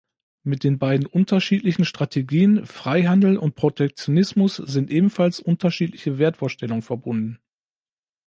Mit den beiden unterschiedlichen Strategien Freihandel und Protektionismus sind ebenfalls unterschiedliche Wertvorstellungen verbunden.